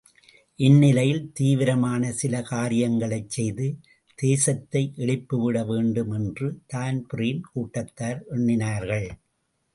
இந்நிலையில் தீவிரமான சில காரியங்களைச் செய்து தேசத்தை எழுப்பிவிட வேண்டுமென்று தான்பிரீன் கூட்டத்தார் எண்ணினார்கள்.